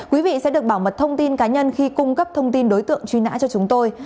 quý vị sẽ được bảo mật thông tin cá nhân khi cung cấp thông tin đối tượng truy nã cho chúng tôi